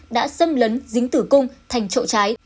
đã xâm lấn dính tử cung thành trậu trái